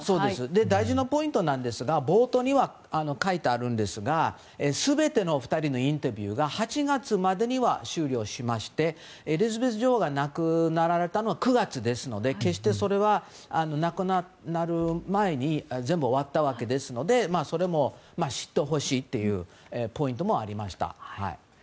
大事なポイントですが冒頭に書いてあるんですが全ての２人のインタビューが８月までには終了しましてエリザベス女王が亡くなられたのは９月ですのでそれは、亡くなる前に全部終わったわけですのでそれも知ってほしいというポイントもありました。